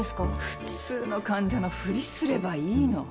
普通の患者のふりすればいいの。